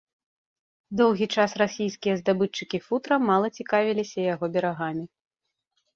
Доўгі час расійскія здабытчыкі футра мала цікавіліся яго берагамі.